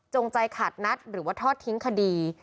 ใจขาดนัดหรือว่าทอดทิ้งคดี